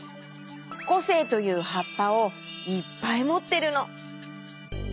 こせいというはっぱをいっぱいもってるの。